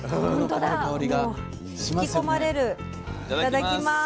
いただきます。